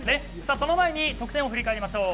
その前に得点を振り返りましょう。